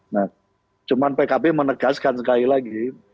nah cuman pkb menegaskan sekali lagi